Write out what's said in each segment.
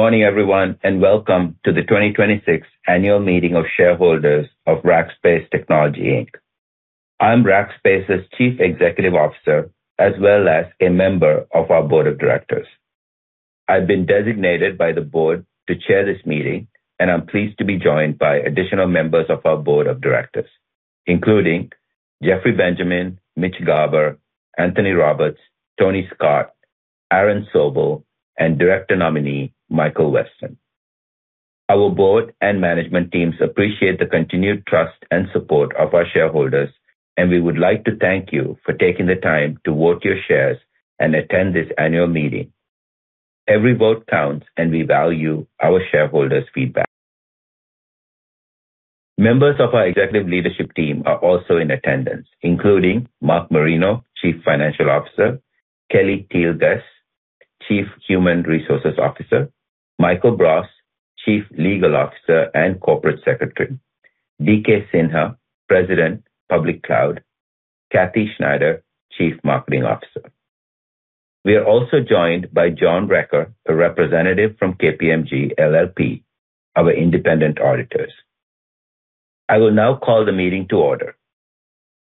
Good morning everyone, welcome to the 2026 Annual Meeting of Shareholders of Rackspace Technology, Inc. I'm Rackspace's Chief Executive Officer as well as a member of our board of directors. I've been designated by the board to chair this meeting, I'm pleased to be joined by additional members of our board of directors, including Jeffrey Benjamin, Mitch Garber, Anthony Roberts, Tony Scott, Aaron Sobel, and director nominee Michael Weston. Our board and management teams appreciate the continued trust and support of our shareholders, we would like to thank you for taking the time to vote your shares and attend this annual meeting. Every vote counts, we value our shareholders' feedback. Members of our executive leadership team are also in attendance, including Mark Marino, Chief Financial Officer, Kellie Teal-Guess, Chief Human Resources Officer, Michael Bross, Chief Legal Officer and Corporate Secretary, D K Sinha, President, Public Cloud, Kathleen Schneider, Chief Marketing Officer. We are also joined by John Brecker, a representative from KPMG LLP, our independent auditors. I will now call the meeting to order.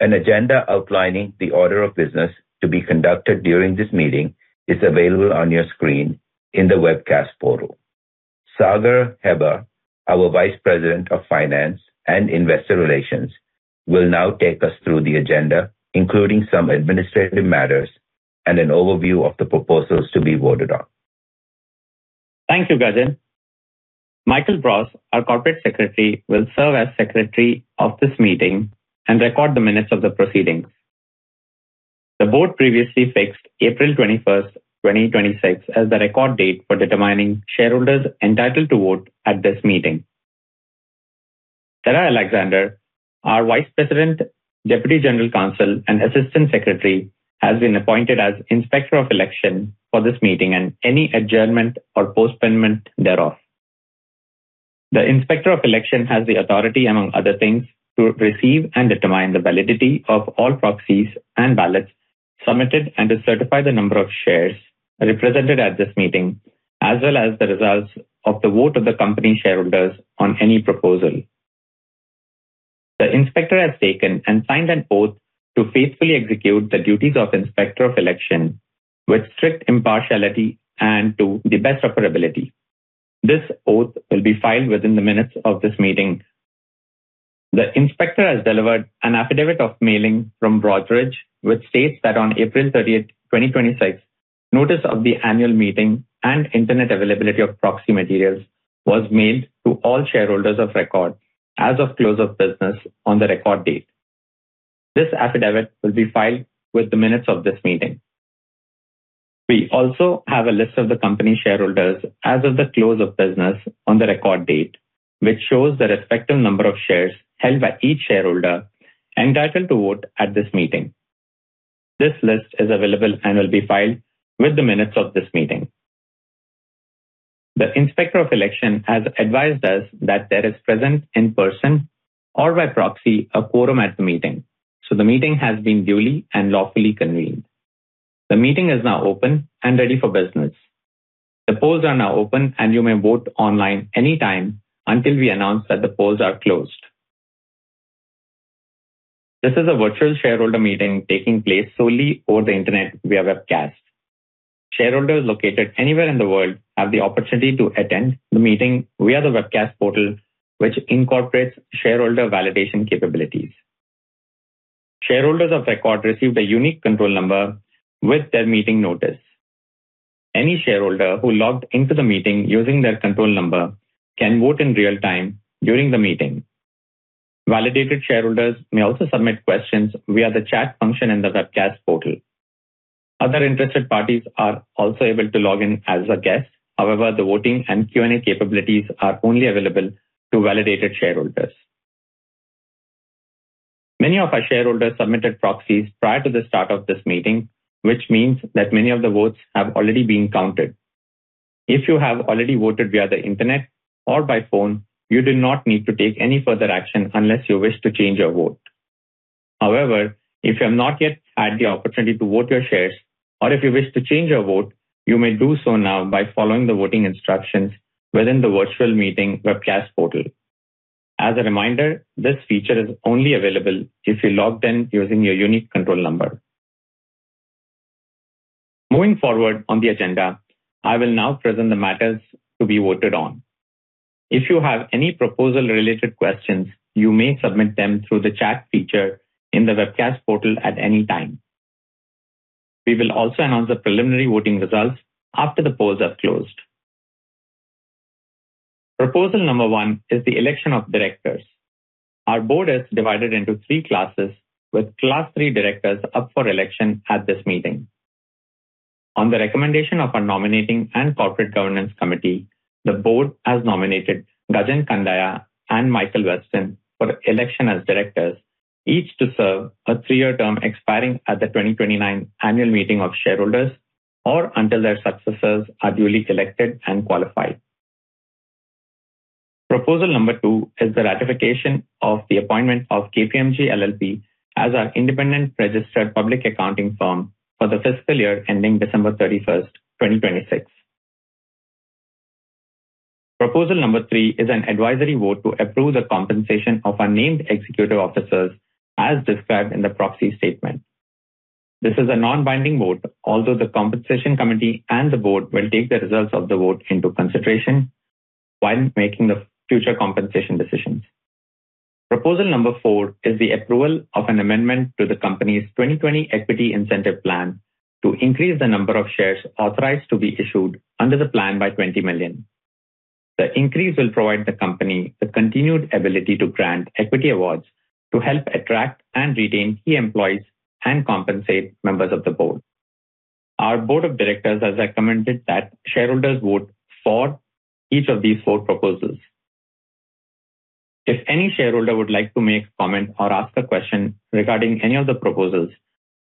An agenda outlining the order of business to be conducted during this meeting is available on your screen in the webcast portal. Sagar Hebbar, our Vice President of Finance and Investor Relations, will now take us through the agenda, including some administrative matters and an overview of the proposals to be voted on. Thank you, Gajen. Michael Bross, our Corporate Secretary, will serve as Secretary of this meeting and record the minutes of the proceedings. The board previously fixed April 21st, 2026 as the record date for determining shareholders entitled to vote at this meeting. Sarah Alexander, our Vice President, Deputy General Counsel, and Assistant Secretary, has been appointed as Inspector of Election for this meeting and any adjournment or postponement thereof. The Inspector of Election has the authority, among other things, to receive and determine the validity of all proxies and ballots submitted and to certify the number of shares represented at this meeting, as well as the results of the vote of the company shareholders on any proposal. The inspector has taken and signed an oath to faithfully execute the duties of Inspector of Election with strict impartiality and to the best of her ability. This oath will be filed within the minutes of this meeting. The inspector has delivered an affidavit of mailing from Broadridge, which states that on April 30th, 2026. Notice of the annual meeting internet availability of proxy materials was mailed to all shareholders of record as of close of business on the record date. This affidavit will be filed with the minutes of this meeting. We also have a list of the company shareholders as of the close of business on the record date, which shows the respective number of shares held by each shareholder entitled to vote at this meeting. This list is available and will be filed with the minutes of this meeting. The Inspector of Election has advised us that there is present in person or by proxy a quorum at the meeting, the meeting has been duly and lawfully convened. The meeting is now open and ready for business. The polls are now open, and you may vote online anytime until we announce that the polls are closed. This is a virtual shareholder meeting taking place solely over the internet via webcast. Shareholders located anywhere in the world have the opportunity to attend the meeting via the webcast portal, which incorporates shareholder validation capabilities. Shareholders of record received a unique control number with their meeting notice. Any shareholder who logged into the meeting using their control number can vote in real time during the meeting. Validated shareholders may also submit questions via the chat function in the webcast portal. Other interested parties are also able to log in as a guest. However, the voting and Q&A capabilities are only available to validated shareholders. Many of our shareholders submitted proxies prior to the start of this meeting, which means that many of the votes have already been counted. If you have already voted via the internet or by phone, you do not need to take any further action unless you wish to change your vote. If you have not yet had the opportunity to vote your shares, or if you wish to change your vote, you may do so now by following the voting instructions within the virtual meeting webcast portal. As a reminder, this feature is only available if you logged in using your unique control number. Moving forward on the agenda, I will now present the matters to be voted on. If you have any proposal-related questions, you may submit them through the chat feature in the webcast portal at any time. We will also announce the preliminary voting results after the polls have closed. Proposal number one is the election of directors. Our board is divided into three classes, with Class III directors up for election at this meeting. On the recommendation of our Nominating and Corporate Governance Committee, the board has nominated Gajen Kandiah and Michael Weston for election as directors, each to serve a three-year term expiring at the 2029 Annual Meeting of Shareholders or until their successors are duly elected and qualified. Proposal number two is the ratification of the appointment of KPMG LLP as our independent registered public accounting firm for the fiscal year ending December 31st, 2026. Proposal number three is an advisory vote to approve the compensation of our named executive officers, as described in the proxy statement. This is a non-binding vote. The Compensation Committee and the board will take the results of the vote into consideration while making the future compensation decisions. Proposal number four is the approval of an amendment to the company's 2020 Equity Incentive Plan to increase the number of shares authorized to be issued under the plan by 20 million. The increase will provide the company the continued ability to grant equity awards to help attract and retain key employees and compensate members of the board. Our board of directors has recommended that shareholders vote for each of these four proposals. If any shareholder would like to make comment or ask a question regarding any of the proposals,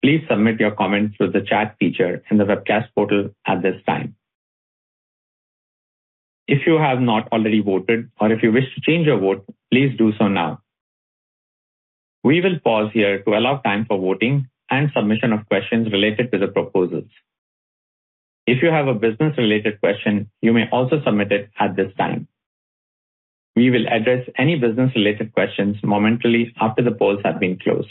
please submit your comments through the chat feature in the webcast portal at this time. If you have not already voted or if you wish to change your vote, please do so now. We will pause here to allow time for voting and submission of questions related to the proposals. If you have a business-related question, you may also submit it at this time. We will address any business-related questions momentarily after the polls have been closed.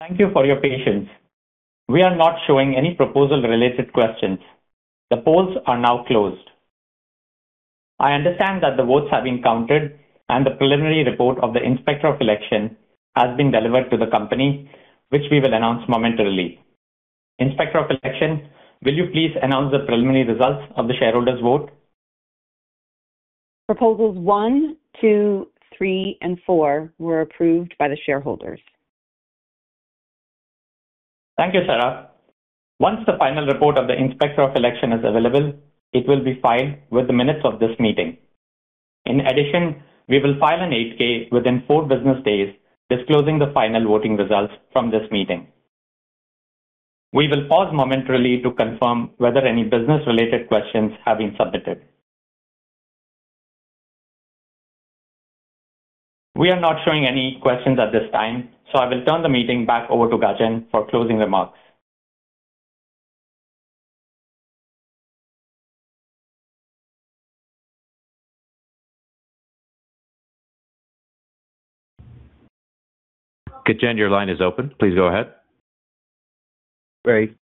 Thank you for your patience. We are not showing any proposal-related questions. The polls are now closed. I understand that the votes have been counted and the preliminary report of the Inspector of Election has been delivered to the company, which we will announce momentarily. Inspector of Election, will you please announce the preliminary results of the shareholders vote? Proposals one, two, three, and four were approved by the shareholders. Thank you, Sarah. Once the final report of the Inspector of Election is available, it will be filed with the minutes of this meeting. In addition, we will file an 8-K within four business days disclosing the final voting results from this meeting. We will pause momentarily to confirm whether any business-related questions have been submitted. We are not showing any questions at this time. I will turn the meeting back over to Gajen for closing remarks. Gajen, your line is open. Please go ahead. Great.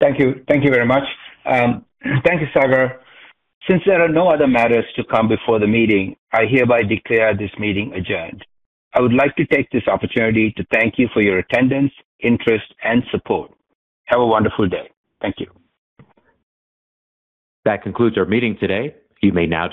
Thank you. Thank you very much. Thank you, Sagar. Since there are no other matters to come before the meeting, I hereby declare this meeting adjourned. I would like to take this opportunity to thank you for your attendance, interest and support. Have a wonderful day. Thank you. That concludes our meeting today. You may now disconnect your line.